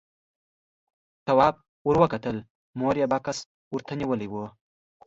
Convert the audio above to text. تواب ور وکتل، مور يې بکس ورته نيولی و.